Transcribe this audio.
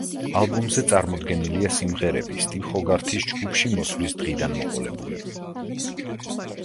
ალბომზე წარმოდგენილია სიმღერები სტივ ჰოგართის ჯგუფში მოსვლის დღიდან მოყოლებული.